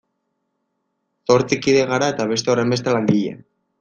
Zortzi kide gara eta beste horrenbeste langile.